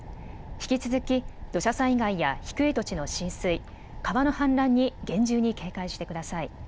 引き続き土砂災害や低い土地の浸水、川の氾濫に厳重に警戒してください。